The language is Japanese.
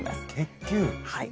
はい。